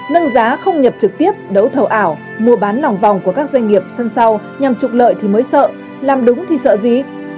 nâng giá không nhập trực tiếp đấu thầu ảo mua bán lòng vòng của các doanh nghiệp sân sau nhằm trục lợi thì mới sợ làm đúng thì sợ gì